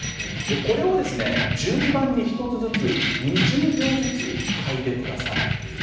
これを順番に１つずつ２０秒ずつ嗅いでください。